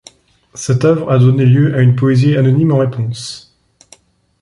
Cette œuvre a donné lieu à une poésie anonyme en réponse.